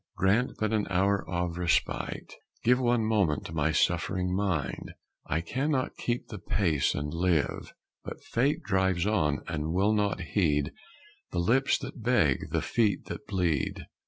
Grant but an hour of respite give One moment to my suffering mind! I can not keep the pace and live." But Fate drives on and will not heed The lips that beg, the feet that bleed.